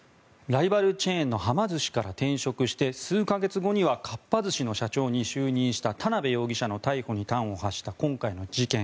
ライバルチェーンのはま寿司から転職して数か月後にはかっぱ寿司の社長に就任した田邊容疑者の逮捕に端を発した今回の事件。